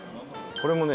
これもね